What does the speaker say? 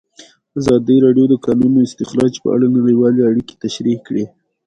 ازادي راډیو د د کانونو استخراج په اړه نړیوالې اړیکې تشریح کړي.